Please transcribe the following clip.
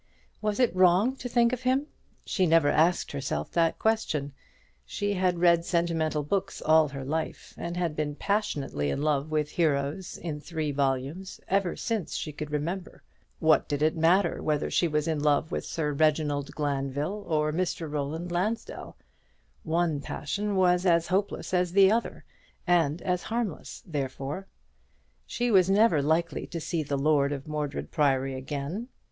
Was it wrong to think of him? She never asked herself that question. She had read sentimental books all her life, and had been passionately in love with heroes in three volumes, ever since she could remember. What did it matter whether she was in love with Sir Reginald Glanville or Mr. Roland Lansdell? One passion was as hopeless as the other, and as harmless therefore. She was never likely to see the lord of Mordred Priory again.